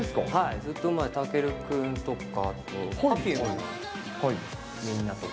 ずっと前、健君とかと、Ｐｅｒｆｕｍｅのみんなとか。